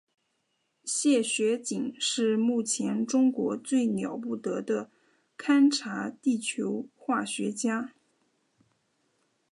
谢学锦是目前中国最了不得的勘察地球化学家。